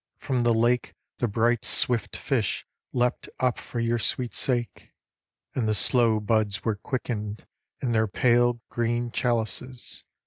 From the lake The bright swift fish leapt up for your sweet sake, And the slow buds were quickened in their pale Green chalices.